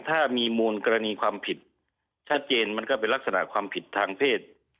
ถ้ามีมูลกรณีความผิดชัดเจนมันก็เป็นลักษณะความผิดทางเพศ